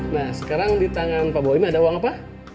nah sekarang di tangan pak bowimin ada uang apa